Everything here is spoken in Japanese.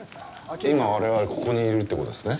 今、我々、ここにいるということですね。